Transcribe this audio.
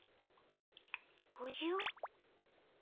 おじゃっ。